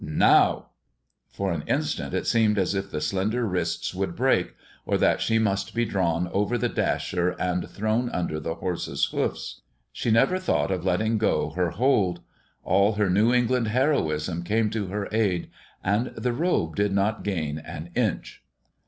"Now!" For an instant it seemed as if the slender wrists would break, or that she must be drawn over the dasher and thrown under the horse's hoofs. She never thought of letting go her hold. All her New England heroism came to her aid, and the robe did not gain an inch.